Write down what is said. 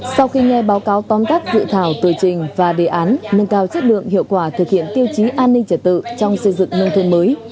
sau khi nghe báo cáo tóm tắt dự thảo tờ trình và đề án nâng cao chất lượng hiệu quả thực hiện tiêu chí an ninh trật tự trong xây dựng nông thôn mới